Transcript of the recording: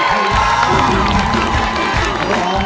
ผักปุ้งร้องได้ให้ร้าง